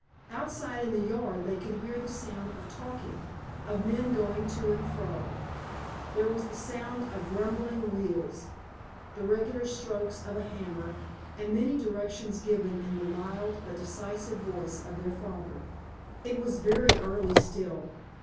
Outside in the yard they could hear the sound of talking, of men going to and fro. There was the sound of rumbling wheels, the regular strokes of a hammer, and many directions given in the mild but decisive voice of their father. It was very early still.